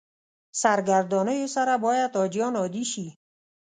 سرګردانیو سره باید حاجیان عادي شي.